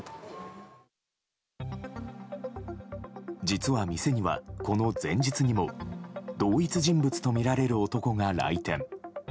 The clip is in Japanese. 実は店には、この前日にも同一人物とみられる男が来店。